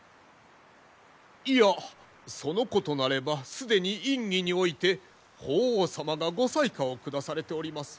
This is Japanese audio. いやそのことなれば既にいんににおいて法皇様がご裁可を下されております。